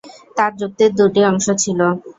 তার যুক্তির দুটি অংশ ছিল।